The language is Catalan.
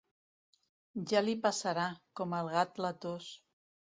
Ja li passarà, com al gat la tos.